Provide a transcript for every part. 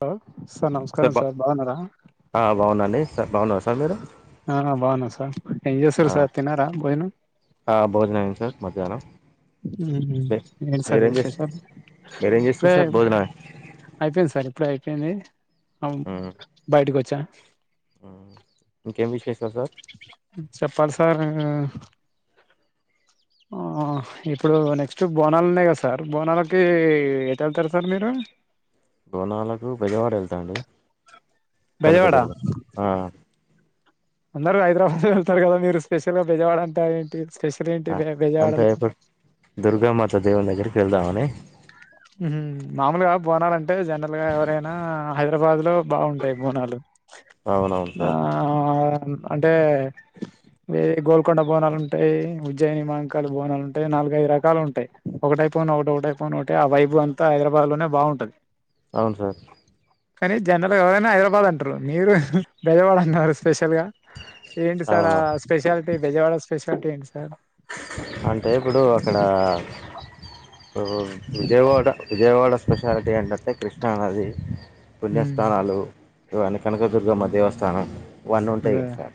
Hello sir sir నమస్కారం బా sir బావున్నారా ఆ బావున్నండి సర్ బాగున్నారా సార్ మీరు ఆ బావున్న సార్ ఎం ఆ చేస్తునారు సార్ తిన్నారా భోజనం ఆ భోజనం అయ్యింది సార్ మధ్యాహ్నం ఉహూ మీ ఏంటి సార్ మీరేం చేస్త విశేషలు మీరేం చేస్తున్నారు సార్ లేద్ భోజనమే అయిపోయింది సార్ ఇప్పుడే అయిపోయింది అవును ఉమ్ బయటకి వచ్చా ఇంకేం విశేషాలు సార్ చెప్పాలి సార్ ఉమ్ ఆ ఇప్పుడు నెక్స్ట్ బోనాలు ఉన్నాయి కదా సార్ బోనాలకి ఎటల్తారు సార్ మీరు బోనాలకు బెజవాడ వెళ్తా అండి బెజవాడ కనకదుర్గం ఆ అందరు హైదరాబాద్ వెళ్తరు కదా మీరు స్పెషల్ గా బెజవాడ అంటారు ఏంటి స్పెషల్ ఏంటి బె బెజవాడలో దుర్గామాతా దేవుని దగ్గరికెళ్దామని ఉహు మామూలుగా బోనాలంటే జనరల్గా ఎవరైనా హైదరాబాద్ లో బాగుంటయి బోనాలు అవునవును సార్ ఆ ఆ అంటే ఏ గోల్కొండ బోనాలు ఉంటాయి, ఉజ్యయని మహంకాలీ బోనాలు ఉంటాయి, నాలుగైదు రకాలు ఉంటాయి. ఒకటైపోను ఒకటి ఒకటైపోను ఒకటి ఆ వెబ్ అంతా హైదరాబాద్ లోనే బాగుంటది అవున్ సార్ కానీ జనరల్గా ఎవరైనా హైదరాబాద్ అంటరు మీరు బెజవాడ అన్నారు స్పెషల్ గా ఏంటి సార్ ఆ అవును స్పెషల్టీ బెజవాడ స్పెషల్టీ ఏంటి సార్ అంటే ఇప్పుడు అక్కడా ఊ విజయవాడ విజయవాడ స్పెషాలిటీ ఏంటంటే కృష్ణా నది ఉమ్, పుణ్యస్థానాలు ఇవన్ని కనకదుర్గమ్మ దేవస్థానం అవన్నీ ఉంటయి అదే కదా సార్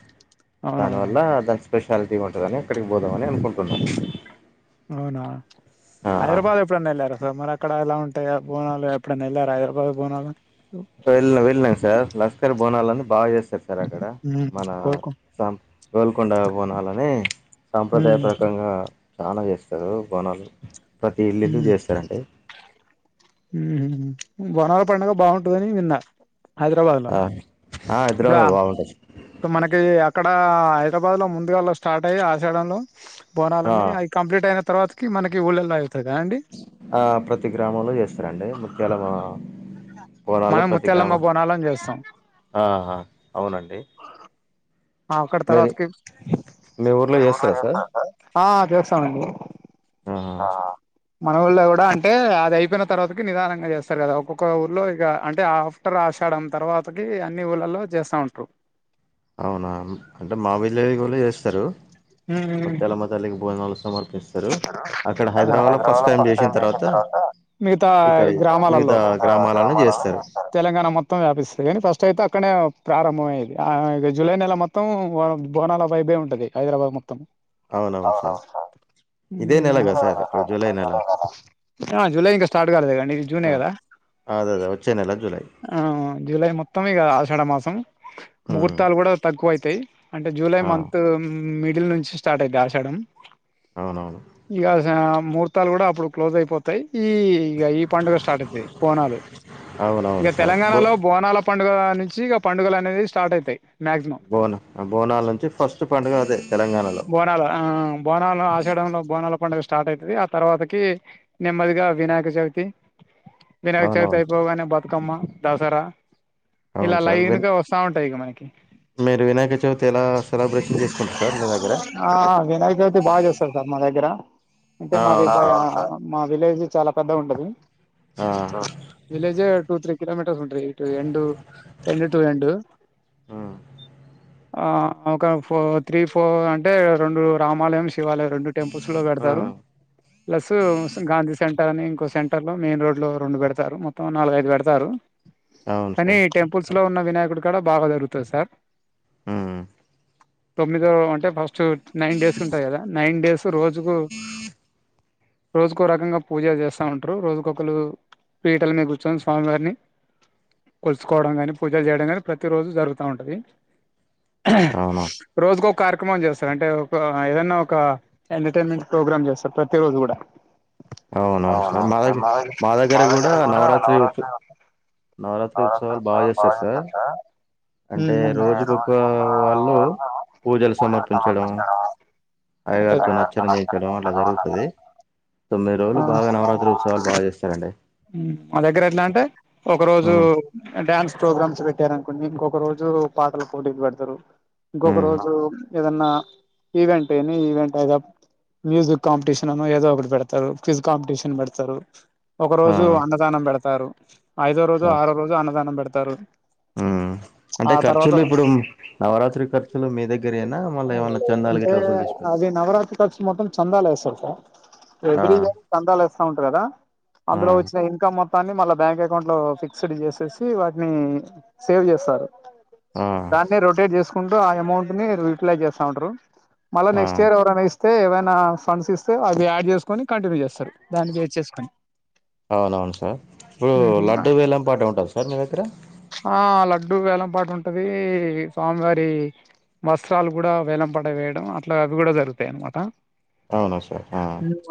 అవునవును దానివల్ల దాని స్పెషాలిటీ ఉంటుందని అక్కడికి పోదమని అనుకుంటున్నా అవునా ఆ. హైదరబాద్ ఎప్పుడన్నా వెళ్లారా సర్ మరి అక్కడ ఎలా ఉంటాయో బోనాలు ఎప్పుడన్న ఎళ్లార హైదరాబాద్ బోనాలు వెళ్ళ వెళ్ళాను సార్ లష్కర్ బోనాలని బాగా చేస్తారు సార్ అక్కడ ఉమ్, మనా కోరుకో సం గోల్కొండ బోనాలని సాంప్రదాయ ఉమ్, ప్రకంగా చానా చేస్తరు బోనాలు ప్రతీ ఇల్లిల్లు చేస్తరండి ఉమ్ హు బోణాల పండగ బాగుంటుదని విన్నా హైదరాబాద్ లా ఆ, ఆ, ఇప్పుడా హైదరాబాద్ బాగుంటుంది సో మనకి అక్కడ హైదరాబాద్ లో ముందుగాల స్టార్ట్ అయ్యి ఆషాఢంలో ఆ, బోనాలన్నీ అవి కంప్లీట్ అయిన తర్వాతకి మనకి ఊళ్ళల్లో అయితదా అండి ఆ ప్రతి గ్రామంలో చేస్తరండి ముత్యాలమ మనం ముత్యాలమ్మ బోనాలను చేస్తం ఆహ అవునండి ఆ అక్కడ మీరు తర్వాతకి మీ ఊర్లో చేస్తరా సర్ ఆ చేస్తామండి ఆహా మన ఊళ్ళో కూడా అంటే అది అయిపోయిన తర్వాతకి నిదానంగా చేస్తరు కదా ఒక్కొక్క ఊర్లో ఇగ అంటే ఆ ఆఫ్టర్ ఆషాడం తర్వాతకి అన్ని ఊళ్ళల్లో చేస్తా ఉంట్రు అవునా అంటే మా విలేజ్ల కూడా చేస్తరు ఉమ్ ముత్యాలమ్మ తల్లికి భోనాలు సమర్పిస్తరు అక్కడ హైదరాబాద్ లా ఫస్ట్ టైం చేసిన తర్వాత ఇక్కడ గ్రామాలలో మిగతా గ్రామాలల్ల గ్రామాలలో చేస్తరు చేస్తారు తెలంగాణ మొత్తం వ్యాపిస్తది గనీ ఫస్ట్ అయితే అక్కడ్నే ప్రారంభమయేది ఆ జూలై నెల మొత్తం మొత్తం బోనాల వైబే ఎ ఉంటది హైదరాబాద్ మొత్తం అవునవును సర్ జూలై నెల జూలై ఇంకా స్టార్ట్ కాలేదు కాదండి ఇది జూనే కదా అదే అదే వచ్చే నెల జూలై ఆ జులై మొత్తం ఇగ ఆషాఢ మాసం ఉమ్, ముహూర్తాలు కూడా తక్కువ అయితయి అంటే జూలై ఆ, మంత్ మిడిల్ నుంచి స్టార్ట్ అయితై ఆషాడం అవును అవును ఇగా ఆశ ముహూర్తాలు కూడా అప్పుడు క్లోజ్ అయిపోతాయి ఈ ఇగ ఈ పండుగ స్టార్ట్ అయితాయి బోనాలు అవునవును ఇగా సార్ బో తెలంగాణలో బోనాల పండుగ నుంచి ఇగ పండుగలు అనేది స్టార్ట్ అయితయి మాక్సిమం బోనా బోనాల నుంచి ఫస్ట్ పండుగ అదే తెలంగాణలో బోనాల ఆ బోనాల ఆషాడం లో బోనాల పండుగ స్టార్ట్ అయితది ఆ తర్వాతకి నిమ్మదిగా వినాయక చవితి వినాయక చవితి అవునవును అయిపోగానే బతుకమ్మ దసరా ఇలా అవును సార్ లైన్ విన్ గా వస్త స్తా ఉంటాయి ఇగ మనకి మీరు వినాయక చవితి ఎలా సెలబ్రేషన్ చేసుకుంటారు సార్ మీ దగ్గర ఆ వినాయక చవితి బాగా చేస్తారు సార్ మా దగ్గర అంటే ఆ, మా అవును దగ్గర సార్ మా విలేజ్ చాలా పెద్దగా ఉంటది ఆ, విలేజ్ టూ త్రీ కిలోమీటర్స్ ఉంటది ఇటు ఎండ్ ఎండ్ టు ఎండ్ ఆ ఆ ఒక ఫోర్ త్రీ ఫోర్ అంటే రెండు రామాలయం శివాలయం రెండు టెంపుల్స్ లో గడతారు ఉమ్, ప్లస్ గాంధీ సెంటర్ అని ఇంకో సెంటర్ లో మెయిన్ రోడ్ లో రెండు పెడతారు మొత్తం నాలుగఐదు పెడతారు అవును కానీ సార్ టెంపుల్స్ లో ఉన్న వినాయకుడు కూడా బాగా జరుగుతది సార్ ఉహు తొమ్మిదో అంటే ఫస్ట్ నైన్ డేస్ ఉంటాయి కదా నైన్ డేస్ రోజుకు రోజుకో రకంగా పూజ చేస్తా ఉంటారు రోజుకొకళు పీటలు మీ కూర్చుని స్వామి వారిని కొలుసుకోవడం గానీ పూజలు చేయడం నీ ప్రతి రోజు జరుగుతా ఉంటది అవును రోజుకు ఒక కార్యక్రమం చేస్తారు అంటే ఒక ఏదన్నా ఒక ఎంటర్టైన్మెంట్ ప్రోగ్రామ్ చేస్తారు ప్రతి రోజు కూడా అవునవును సార్ మా దగ్గర మా దగ్గర కూడా నవరాత్రి వుచ్ నవరాత్రి ఉత్సవాలు బాగా చేస్తారు సార్ రోజు అంటే రోజుకొక్క వాళ్ళు పూజలు సమర్పించడం ముగ్గురు వాళ్ళు అయ్యగారితో నచ్చనం చేయించడం మూడు అట్లా జరుగుతది పెట్టడం తొమ్మిది రోజులు బాగా నవరాత్రి ఉత్సవాలు బాగా చేస్తారండి మా దగ్గర ఎట్లా అంటే ఒక రోజు ఉమ్ డ్యాన్స్ ప్రోగ్రామ్స్ పెట్టారు అనుకుని ఇంకొక రోజు పాటలు పోటీ పెడతారు ఇంకో ఉమ్ కరోజు ఏదన్నా ఈవెంట్ ఏని ఈవెంట్ అయిద మ్యూజిక్ కాంపిటషన్ అన్ ఏదోఒకటి పెడతారు క్విజ్ కాంపిటేషన్ పెడతారు ఒక ఆ రోజు అన్నదానం పెడతారు ఐదో రోజు ఆ ఆరో రోజు అన్నదానం పెడతారు ఉమ్ అంటే ఆ ఖర్చులు తర్వాత ఇప్పుడు నవరాత్రి ఖర్చులు మీ దగ్గరేనా మళ్ళీ ఏమైన్నా చందాలు అంటే గిట్లా వసూలు చేస్ అది నవరాత్రి కాచులు మొత్తం చందా లేస్తామ్ సార్ ఆ ఎవ్రీ ఇయర్ చందాలు ఎస్తా ఉంటారు కదా ఆ అందులో వచ్చిన ఇన్కమ్ మొత్ దాన్ని మళ్ళ బ్యాంక్ అకౌంట్ లో ఫిక్స్డ్ చేసేసి వాటిని సేవ్ చేస్తారు ఆ దాన్ని రొటేట్ చేసుకుంటూ ఆ అమౌంట్ ని రిప్లై చేస్తా ఉంటారు మళ్ళా ఆ నెక్స్ట్ ఇయర్ ఎవరనా ఎస్ టె ఏమైనా ఫండ్స్ ఇస్తే అవి యాడ్ చేసుకొని కంటిన్యూ చేస్తారు దాన్ని బేస్ చేసుకొని అవునవును సార్ ఇప్పుడు లడ్డు వేలం పాట ఉంటది సార్ మీ దగ్గర ఆ లడ్డుూ వేలంపాటు ఉంటది స్వామివారి వస్త్రాలు కూడా వేలం పడ వేయడం అట్లా అవి కూడా జరుగుతాయి అనమాట అవును సార్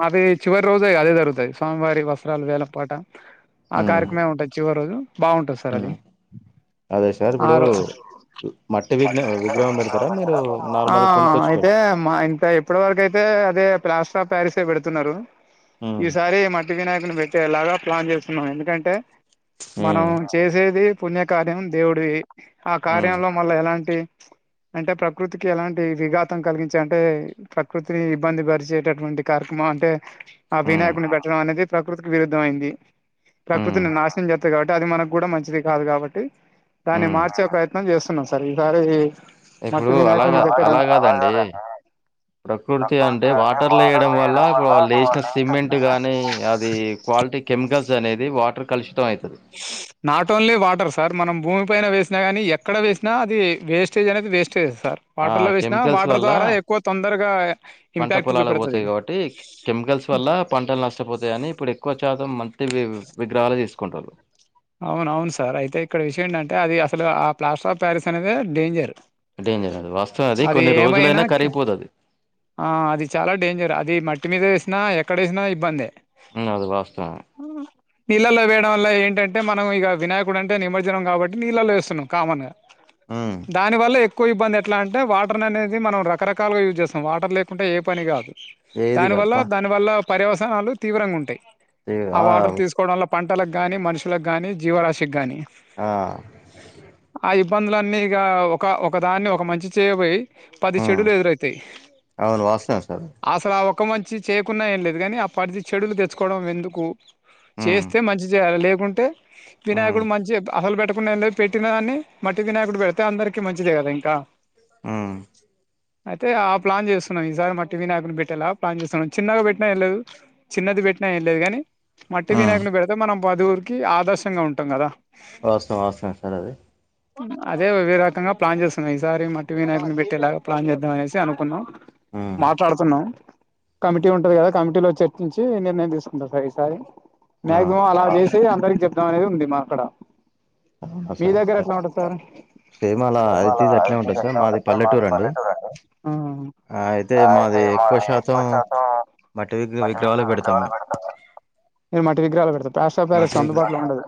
అవి చివరి రోజేగా అదే జరుగుతాయి స్వామివారి వస్త్రాలు వేలంపాట ఆ ఉమ్ కార్యక్రమే ఉంటది చివరి రోజు బాగుంటంది సర అది ఉమ్ అదే సార్ ఇప్పుడు ఆరు మట్టి విగ్న విగ్రహం పెడతర మీరు ఆ నార్మల్ కొనుకొచ్చి పేడ్ అయితే మా ఇంట్ల ఇప్పటి వరకయితే అదే ప్లాస్ట ప్యారిస్ పెడుతున్నరు ఉమ్ ఈసారి మట్ వినాయకుని పెట్టేలాగా ప్లాన్ చేస్తున్నాం ఎందుకంటే మనం ఉమ్ చేసేది పుణ్య కార్యం దేవుడిది ఆ ఉమ్ కార్యంలో మళ్ళ ఎలాంటి అంటే ప్రకృతికి ఎలాంటి విఘాతం కలిగించే అంటే ప్రకృతిని ఇబ్బంది పరిచేటటువంటి కార్యక్రమం అంటే ఆ ఉమ్ వినాయకుని పెట్టడం అనేది ప్రకృతికి విరుద్ధమయింది ఉమ్ ప్రకృతిని నాశనం జె కాబట్టి అది మనకు గుడ మంచిది కాదు కాబట్టి దాన్ని ఉమ్ మార్చే ప్రయత్నం చేస్తున్నాం సార్ ఈసారి మట్టి ఇప్పుడు అలగ వినాయకుడిని పెట్టడం అలా గాదండి ప్రకృతి అంటే వాటర్ల ఏయడం వల్ల వాళ్ళు ఏసిన సిమెంట్ గాని అది క్వాలిటీ కెమికల్స్ అనేది వాటర్ కలుషితం అయితది నాట్ ఓన్లీ వాటర్ సార్ మనం భూమి పైన వేసినా గానీ ఎక్కడ వేసినా అది వేస్టేజ్ అనేది వేస్టేజ్ సార్ ఆ వాటర్ లో వేసినా కెమికల్స్ వాటర్ వల్ల ద్వారా ఎక్కువ తొందరగా పంట ఇంపాక్టుగ పొలాలకు పడతది పోతాయి కాబట్టి కెమికల్స్ వల్ల పంటలు నష్టపోతాయని ఇప్పుడు ఎక్కువ శాతం మట్టివి విగ్రహాలే తీసుకుంటరు అవునవున్ సార్ అయితే ఇక్కడ విషయం ఏంటంటే అది అసలు ఆ ప్లాస్టర్ ఆఫ్ ప్యారిస్ అనేదే డేంజర్ డేంజర్ అది వాస్తవమే అది కొన్ని ఏమైనా రోజులైనా కి కరిగిపోతది ఆ అది చాలా డేంజర్ అది మట్టి మీద వేసినా ఎక్కడ ఏసినా ఇబ్బందే ఆ అది వాస్తవమే నీళ్ళల్లో వేయడం వల్ల ఏంట టే మనం ఇగ వినాయకుడంటే నిమజ్జనం కాబట్టి నీళ్ళలో వేస్తున్నాం కామన్గా ఆ దాని వల్ల ఎక్కువ ఇబ్బంది ఎట్ల అంటే వాటర్ అనేది మనం రకరకాలుగా యూజ్ చేస్తాం వాటర్ లేకుంటే ఏ పని గాదు ఏది దాని కాదు వల్ల పా దాని వల్ల పర్యవసనాలు తీవ్రంగుంటయ్ ఆ వాటర్ తీస్ కోడంలో పంటల గాని మనుషుల గానీ జీవరాశిగ్గాని ఆ ఆ ఇబ్బందులన్నీ ఇగా ఒక ఒక దాన్ని ఒక మంచి చేయబోయి పది ఉమ్ చెడులు ఎదురైతయ్ అవును వాస్తవం సార్ అసల ఆ ఒక్క మంచి చేయకున్నా ఏం లేదు కానీ ఆ పది చెడులు తెచ్చుకోడం ఎందుకు ఉమ్ చేస్తే మంచి చేయాలె లేకుంటే ఉమ్ వినాయకుడు మంచి అసలు పెట్టకున్నె లే పెట్టిన గాని మట్టి వినాయకుడు పెడితే అందరికి మంచిదే గదా ఇంకా హ్మ్ అయితే ఆ ప్లాన్ చేస్తున్నాం ఈసారి మట్టి వినాయకుడిని పెట్టేలా ప్లాన్ చేస్తున్నాం చిన్నగా పెట్టినా ఏం లేదు చిన్నది పెట్టిన ఏం లేదు గాని మట్టి ఉమ్ వినాయకుని పెడితే మనం పదవురికి ఆదర్శంగా ఉంటాం కదా వాస్తవం వాస్తవమే సార్ అది అదే వి రకంగా ప్లాన్ చేస్తున్నా ఈసారి మట్టి వినాయకుని పెట్టేలాగా ప్లాన్ చేద్దాం అనేసి అనుకున్నాం ఉమ్ మాట్లాడుతున్నాం కమిటీ ఉమ్, ఉంటది గదా కమిటీలో వచ్చే నించి నిర్ణయం తీసుకుంటా సార్ ఈసారి ఆ మాక్సిమం అలా చె అందరికీ చెప్దామనే ఉంది మా అక్కడ అవునా మీ సార్ దగ్గర ఎట్లా ఉంటది సారు సేమ్ అలా ఇట్ ఏమలా ఈజ్ అట్లే ఉంటది అంత ఉంటంది సార్ మాది పల్లెటూరు అండి మ్ ఆ అయితే మాది ఎక్కువ శాతం విగ్ర మట్టి విగ్రహాలు పెడతాం విగ్రహాలే మేము పెడతాను నేను మట్టి విగ్రహాలు పెడతాను ప్లస్టర్ ఆఫ్ ప్యారస్ మట్టి విగ్ర అందుబాటులో ఉండదు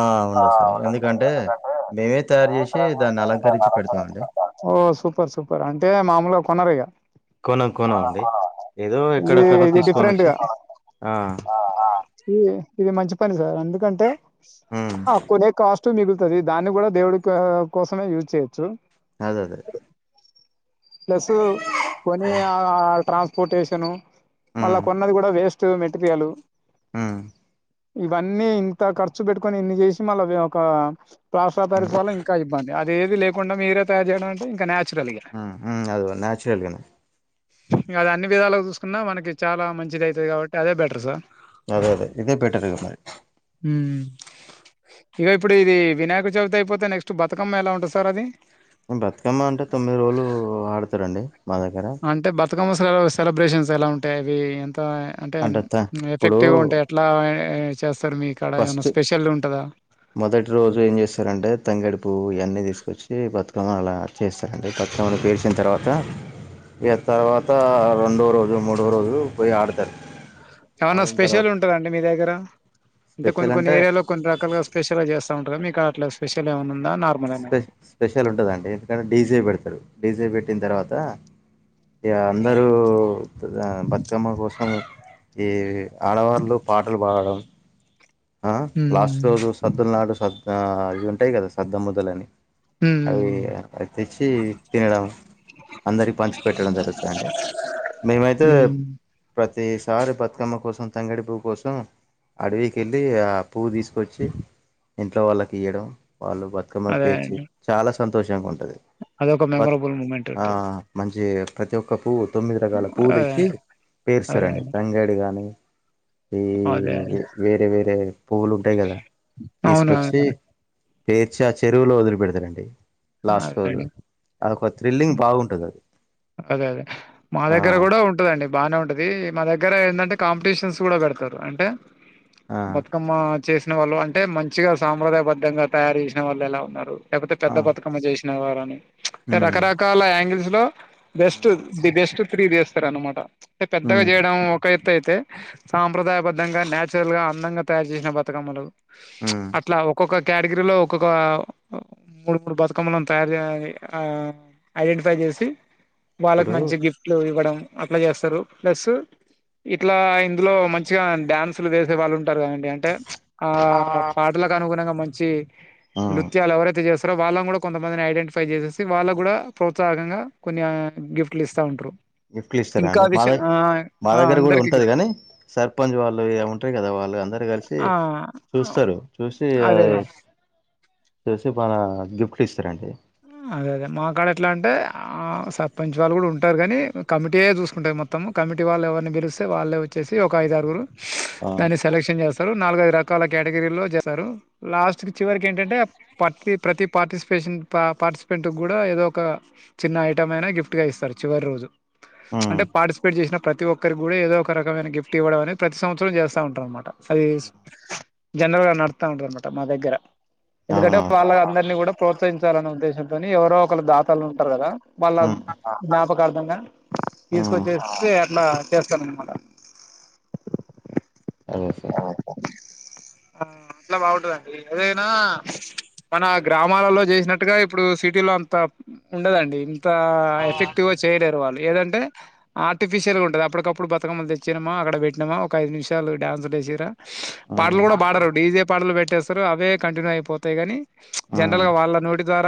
ఆ ఉండదు సార్ ఎందుకంటే మేమే తయారు చేసి దాన్ని అలంకరించి పెడతామండి ఓ సూపర్ సూపర్ అంటే మామూలుగ కొనరిగ కొనం కొనం అండి ఏదో ఇది ఎక్కడెక్కనో ఇది తీసుకొనొచ్చి డిఫరెంట్గా అ ఆ ఈ ఇది మంచి పని సార్ ఎందుకంటే ఉమ్ ఆ కొనే కాస్ట్ ర్చు మిగులుతది దాన్ని కూడా దేవుడికా కోసమే యూజ్ చేయొచ్చు అదదే ప్లస్సు కొని ఆ ట్రాన్స్పోర్టేషను మళ్ళ ఉమ్ కొన్నది కూడా వేస్ స్టు మెటెరియలు ఉమ్ ఈ వన్నీ ఇంత ఖర్చు పెట్టుకొని ఇన్ని చేసి మళ్ళ ఒక ప్లస్టర్ ఆఫ్ ఉమ్ ప్యారిస్ వల్ల ఇంకా బా అదేది లేకుండా మిరే తయారు చేయనంటే ఇంకా నేచురల్ ఇగ మ్ అదుగో న్యాచురల్గానే గ అది అన్ని విధాలగా చూసుకున్నా మనకి చాలా మంచిది అయితది కాబట్టి అదే బెటర్ సార్ అదే అదే ఇదే బెటరు మరీ ఉ ఇగో ఇప్పుడు ఇది వినాయక చవితి అయిపోతే నెక్స్ట్ బతుకమ్మ ఎలా ఉంటాది సార్ అది. బతుకమ్మ అంటే తొమ్మిది రోజులు ఆడతారండి మా దగ్గర. అంటే బతుకమ్మ అసలు సెలబ్రేషన్స్ ఎలా ఉంటాయి అవి ఎంత అంటే త ఇప్పుడు ఎఫెక్టివ్గా ఉంటాయా. ఎట్లా యే చేస్తారు మీ కాడ ఏమైనా ఫస్ట్ స్పెషల్ ఉంటాదా. మొదటి రోజు ఏం చేస్తారంటే తంగడి పువ్వు ఇవన్నీ తీసుకొచ్చి బతుకమ్మ అలా చేస్తారండి పక్కనోళ్లు పెసిన తర్వాత ఇక తర్వాత రెండో రోజు మూడో రోజు పోయి ఆడతారు. ఏమన్నా ఆడిన స్పెషల్ తర్వాత ఉంటాందండి మీ దగ్గర అంటే కొన్ని కొన్ని ఏరియాలో కొన్ని రకాలుగా స్పెషల్ చేస్తా ఉంటారు మీకాడ అట్లా స్పెషల్ ఏమన్న ఉందా నార్మ్ స్పె స్పెషల్ ఉంటందండి ఎందుకంటే డీజే పెడతారు డీజే పెట్టిన తర్వాత ఇగా అందరూ ద బతుకమ్మ కోసం ఈ ఆడవాళ్లు పాటలు పాడడం ఆ లాస్ట్ హ్మ్. రోజు సద్దుల నాడు సద్ ఆ ఇవి ఉంటాయి కదా సద్ద ముద్దలని అవి హ్మ్. తెచ్చి తినడం అందరికి పంచి పెట్టడం జరుగుతండి మేమైతే హ్మ్. ప్రతిసారి బతుకమ్మ కోసం తంగడి పువ్వు కోసం అడవి కెళ్ళి ఆ పువ్వు తీసుకొచ్చి ఇంట్లో వాళ్ళకి ఇయడం వాళ్ళు బతుకమ్మ అదే పేర్చి అండి. చాలా సంతోషంగా ఉంటాది అదొక బత్ మెమరబుల్ మూమెంట్ ఆ ఉంటది. మంచి ప్రతి ఒక్క పువ్వు తొమ్మిది రకాల పువ్వు అదే. తెచ్చి అదే పేరుస్తారండి అండి. తంగాడి గానీ ఈ అదే. వేరే వేరే పువ్వులు ఉంటాయి కదా తీసుకొచ్చి అవునవును. పేర్చి ఆ చెరువులో వదిలి పెడతారండి లాస్ట్ అదే రోజు అండి. అది ఒక థ్రిల్లింగ్ బాగుంటది అది అదే అదే మా ఆ దగ్గర కూడా ఉంటాదండి బాగానే ఉంటాది మా దగ్గర ఎందంటే కాంపిటీషన్స్ కూడా పెడతారు అంటే ఆ బత్ బతుకమ్మ చేసిన వాళ్ళు అంటే మంచిగా సాంప్రదాయ బద్దంగా తయారు చేసిన వాళ్ళు ఎలా ఉన్నారు లేకపోతే ఆ పెద్ద బ తుకమ్మ చేసిన వారని చ్ అంటే ఉమ్ రకరకాల యాంగిల్స్లో బెస్టు ది బెస్టు త్రీ తీస్తారా అనమాట అ పెద్దగా ఉమ్ చేయడం ఒక ఎత్ త్తు అయితే సాంప్రదాయ బద్ధంగా నచురల్గా అందంగా తయారు చేసిన బతుకమ్మలు చ్ ఉమ్ అట్లా ఒక్కొక్క కేటగిరలో ఒక్కొక్క మూడు మూడు బత్ బతుకమ్మల్ని తయారు ఆ ఐడెంటిఫై చేసి వాళ్ళకి ఇప్పుడు మంచి గిఫ్ట్ ఇట్లు ఇవ్వడం అట్లా చేస్తారు ప్లస్సు ఇట్లా ఇందులో మంచిగా డ్యాన్సులు వేసే వాళ్ళు ఉంటారు కదండి అంటే చ్ ఆ పాటలకు అనుగుణంగా మంచి ఉమ్ నృత్యాలు ఎవరైతే చేస్తారో వాళ్ళను కూడా కొంతమందిని ఐడెంటిఫై చేసేసి వాళ్ళ కూడా ప్రోత్సాహకంగా కొన్ని గిఫ్టలు ఇస్తా ఉంటారు. గిఫ్టలు ఇస్తారా ఇంకా అండి విషయం మాదై ఆ మా ఆ! దగ్గర కూడా అందరికి ఉంటాది గిఫ్ట్ కాని సర్పంచ్ వాళ్ళు ఏమో ఉంటే కదా వాళ్ళు అందరు కలిసి ఆ చూస్తారు చూసి అదే అయి [inaudible] చూసి బన గిఫ్ట్లు ఇస్తారండి అదే అదే మా కాడ ఎట్లా అంటే ఆ సర్పంచ్ వాళ్ళు కూడా ఉంటారు కాని కమిటీయే చూసుకుంటాది మొత్తం. మొత్తం కమిటీ వాళ్ళు ఎవరిని పిలిస్తే వాళ్ళే వచ్చేసి ఒక ఐదరుగురు స్ ఆ కనిష్ కలెక్షన్ చేస్తారు నాలుగైదు రకాల కేటగిరీల్లో చేస్తారు లాస్ట్కి చివరికి ఏంటంటే పత్తి ప్రతి పార్టిసిపేషన్ పా పార్టిసిపెంట్ కూడా ఏదో ఒక చిన్న ఐటమ్ అయినా గిఫ్ట్ గా ఇస్తారు చివరి రోజు. చ్ ఉమ్ అంటే పార్టిసిపేట్ చేసిన ప్రతి ఒ ఓక్కరికి గుడా ఏదో ఒక రకమైన గిఫ్టివ్వడం అనేది ప్రతి సంవత్సరం జెస్త ఉంటం అన్నమాట అది స్ జనరల్ గా నడుతా ఉంటాదనమాట మా దగ్గర ఎందుకంటే అవునవును వాళ్ళ అందరినీ కూడా ప్రోత్సహించాలనే ఉద్దేశంతోని ఎవరో ఒకరు దాతలు ఉంటారు కదా వాళ్ళం ఉమ్ హ జ్ఞాపకార్ధంగా ఉమ్ తీసుకొచ్చేస్తె అట్లా చేస్తానన్నమాట అనెసె ఆ అట్లా బాగుంటదండి ఏదైనా మన గ్రామాలలో జెసిన ట్టుగా ఇప్పుడు సిటీ లో అంత ఉండదండి ఇంత హ ఎఫెక్టివ్ గా చేయలేరు వాళ్ళు ఏదంటే ఆర్టిఫిషియల్గా ఉంటది అప్పటికప్పుడు బతుకమ్మల్ తెచ్చమా అక్కడ పెట్నామా ఒక ఐదు నిమిషాలు డాన్సులు ఏసిర్రా ఉమ్ పాటలు గుడా పాడరు డీజే పాటలు పెట్టేస్తార్ అవే కంటిన్యూ అయిపోతాయి కాని జనరల్ ఉమ్ గా వాళ్ళ నోటి ద్వారా